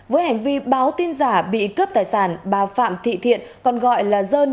với hành vi báo tin giả bị cướp tài sản bà phạm thị thiện còn gọi là dơn